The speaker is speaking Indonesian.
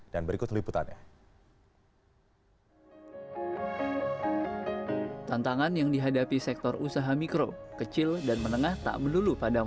dan berikut liputannya